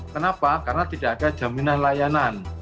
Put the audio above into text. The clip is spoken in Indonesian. kenapa karena tidak ada jaminan layanan